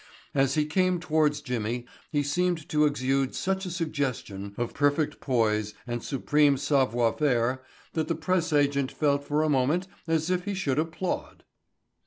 As he came towards Jimmy he seemed to exude such a suggestion of perfect poise and supreme savoir faire that the press agent felt for a moment as if he should applaud.